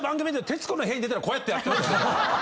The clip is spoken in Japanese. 『徹子の部屋』に出たらこうやってやってます。